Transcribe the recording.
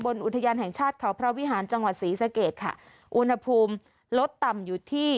อุทยานแห่งชาติเขาพระวิหารจังหวัดศรีสะเกดค่ะอุณหภูมิลดต่ำอยู่ที่